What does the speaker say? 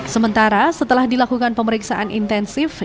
sementara setelah dilakukan pemeriksaan intensif